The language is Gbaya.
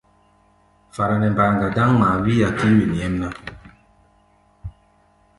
Fara nɛ mbayaŋa dáŋ ŋmaá, wíí-a kíí wen nyɛmná.